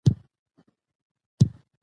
د ولسواکۍ بنسټ د خلکو ګډون دی